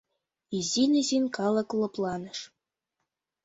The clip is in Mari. Изин-изин калык лыпланыш.